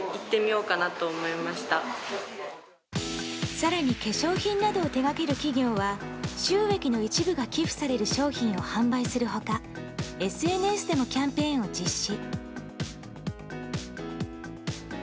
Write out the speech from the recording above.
更に化粧品などを手掛ける企業は収益の一部が寄付される商品を販売する他ＳＮＳでもキャンペーンを実施。